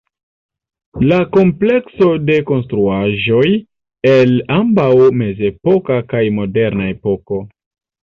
La komplekso de konstruaĵoj el ambaŭ mezepoka kaj moderna epoko.